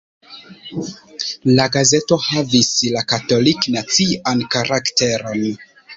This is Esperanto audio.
La gazeto havis la katolik-nacian karakteron.